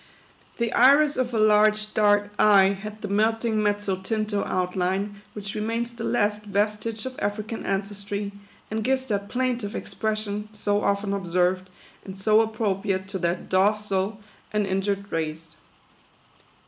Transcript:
^y The iris of her large, dark eye had the melting, mezzotinto outline, which remains the last vestige of African ancestry, and gives that plaintive expression, so often observed, and so ap propriate to that docile and injured race.